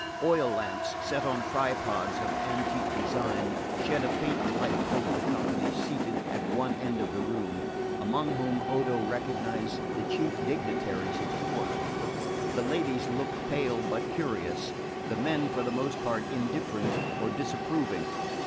Oil lamps set on tripods of antique design shed a faint light over the company seated at one end of the room, among whom Odo recognised the chief dignitaries of the court. The ladies looked pale but curious, the men for the most part indifferent or disapproving.